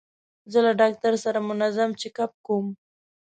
زه له ډاکټر سره منظم چیک اپ کوم.